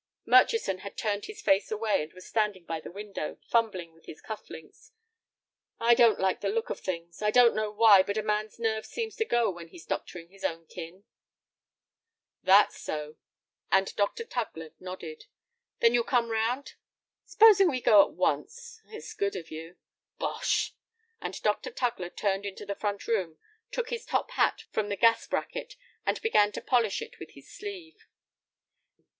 Murchison had turned his face away, and was standing by the window, fumbling with his cuff links. "I don't like the look of things. I don't know why, but a man's nerve seems to go when he's doctoring his own kin." "That's so," and Dr. Tugler nodded. "Then you'll come round?" "Supposing we go at once?" "It's good of you." "Bosh." And Dr. Tugler turned into the front room, took his top hat from the gas bracket, and began to polish it with his sleeve.